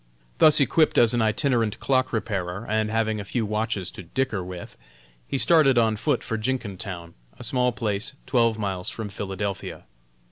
Thus equipped as an itinerant clock repairer, and having a few watches to "dicker" with, he started on foot for Jenkintown, a small place twelve miles from Philadelphia.